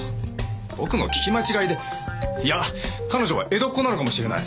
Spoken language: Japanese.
僕の聞き間違いでいや彼女は江戸っ子なのかもしれない。